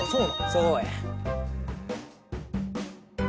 そうや。